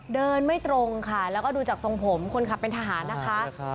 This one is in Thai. ไม่ตรงค่ะแล้วก็ดูจากทรงผมคนขับเป็นทหารนะคะ